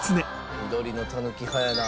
「緑のたぬき派やな」